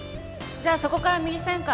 じゃあそこから右旋回。